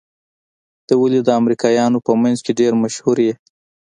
ته ولې د امريکايانو په منځ کې ډېر مشهور يې؟